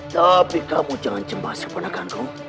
tapi kamu jangan cembah sepanjang manakanku